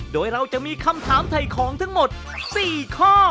โดยเราจะมีคำถามถ่ายของทั้งหมด๔ข้อ